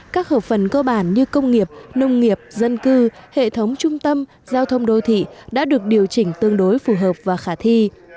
các hợp phần cơ bản như công nghiệp nông nghiệp dân cư hệ thống trung tâm giao thông đô thị đã được điều chỉnh tương đối phù hợp và khả thi